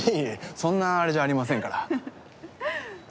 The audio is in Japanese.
そんなあれじゃありませんから。